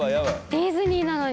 ディズニーなのに。